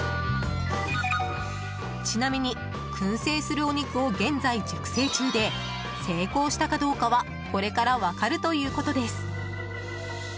ちなみに燻製するお肉を現在熟成中で成功したかどうかはこれから分かるということです。